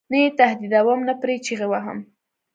نه یې تهدیدوم نه پرې چغې وهم.